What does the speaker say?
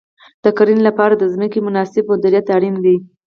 د کرنې لپاره د ځمکې مناسب مدیریت اړین دی.